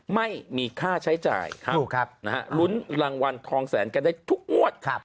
ไม่มีค่าใช้จ่ายลุ้นรางวัลทองแสนกันได้ทุกงวด